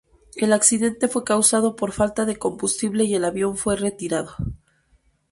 El accidente fue causado por falta de combustible y el avión fue retirado.